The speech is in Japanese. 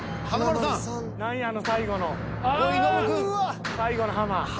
何やあの最後の最後のハマ。